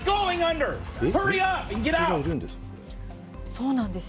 そうなんですよ。